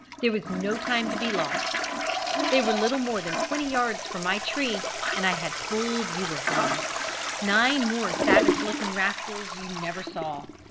There was no time to be lost: they were little more than twenty yards from my tree, and I had a full view of them. Nine more savage looking rascals you never saw.